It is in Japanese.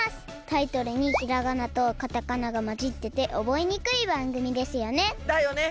タイトルにひらがなとカタカナがまじってておぼえにくいばんぐみですよね！